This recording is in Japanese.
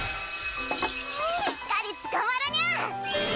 しっかりつかまるにゃ！